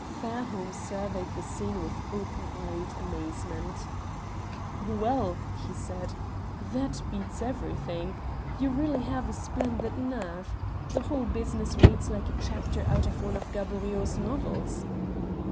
Fairholme surveyed the scene with open eyed amazement. "Well," he said, "that beats everything. You really have a splendid nerve. The whole business reads like a chapter out of one of Gaboriau's novels."